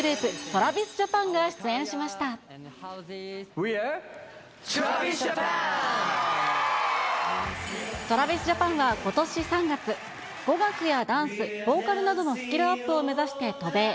トラビスジャパンはことし３月、語学やダンス、ボーカルなどのスキルアップを目指して渡米。